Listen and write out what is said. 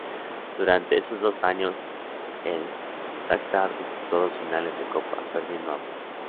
Durante esos dos años, el Shajtar disputó dos finales de copa, perdiendo ambas.